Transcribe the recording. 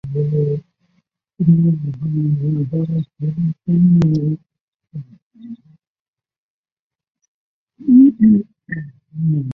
莫氏蓝带蚊是婆罗洲沙巴特有的的蓝带蚊属物种。